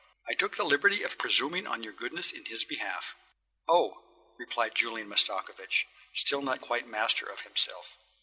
"I took the liberty of presuming on your goodness in his behalf." "Oh," replied Julian Mastakovich, still not quite master of himself.